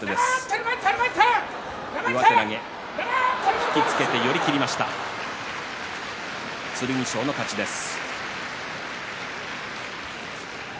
引き付けて寄り切りました剣翔の勝ちです。